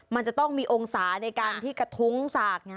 มันจะต้องมีองศาในการที่กระทุ้งสาก